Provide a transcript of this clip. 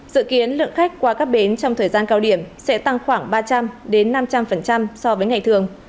dự kiến lượng khách qua các bến trong thời gian cao điểm sẽ tăng khoảng ba trăm linh năm trăm linh so với ngày thường